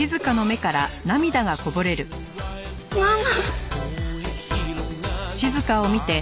ママ！